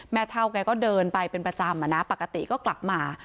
เท่าแกก็เดินไปเป็นประจำอะนะปกติก็กลับมา